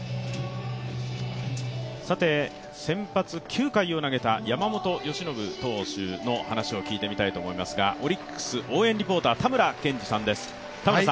さて、先発９回を投げた山本由伸投手の話を聞いてみたいと思いますがオリックス応援リポーター、たむらけんじさんです。